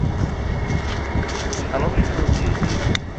Tteḥnuccuḍ di zzit.